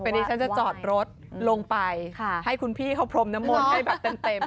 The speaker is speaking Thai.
วันนี้ฉันจะจอดรถลงไปให้คุณพี่เขาพรมน้ำมนต์ให้แบบเต็ม